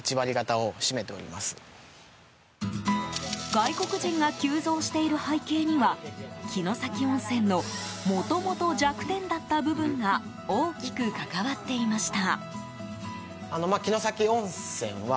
外国人が急増している背景には城崎温泉のもともと弱点だった部分が大きく関わっていました。